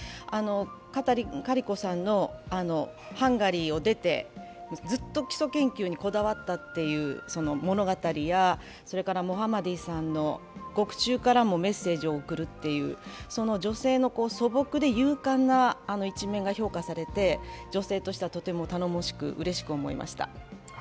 カタリン・カリコさんのハンガリーを出てずっと基礎研究にこだわったという物語やモハマディさんの獄中からもメッセージを送るというその女性の素朴で勇敢な一面が評価されて女性としてはとても頼もしくうれしく思いました。